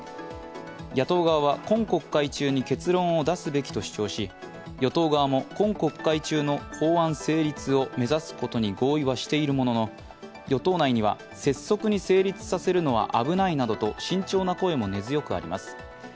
野党側は、今国会中に結論を出すべきと主張し与党側も今国会中の法案成立を目指すことに合意はしているものの、与党内には拙速に成立させるのは危ないなどと慎重な声も根強くあります。